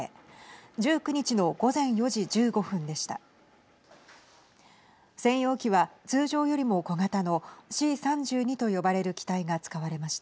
１９日の午前４時１５分でした。